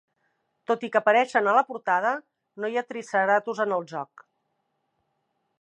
Tot i que apareixen a la portada, no hi ha Triceratos en el joc.